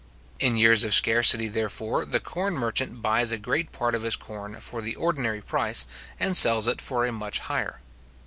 In years of scarcity, therefore, the corn merchant buys a great part of his corn for the ordinary price, and sells it for a much higher.